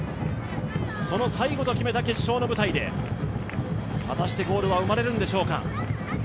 その最後と決めた決勝の舞台で果たしてゴールは生まれるんでしょうか。